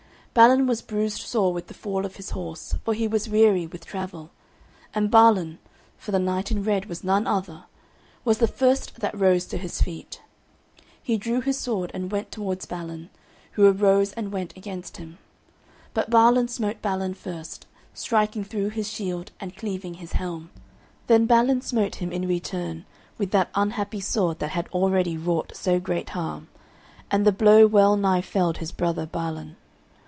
Balin was bruised sore with the fall of his horse, for he was weary with travel, and Balan (for the knight in red was none other) was the first that rose to his feet. He drew his sword and went towards Balin, who arose and went against him. But Balan smote Balin first, striking through his shield and cleaving his helm. Then Balin smote him in return with that unhappy sword that had already wrought so great harm, and the blow well nigh felled his brother Balan.